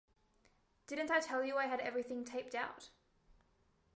Didn't I tell you I had everything taped out?